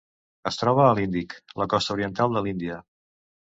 Es troba a l'Índic: la costa oriental de l'Índia.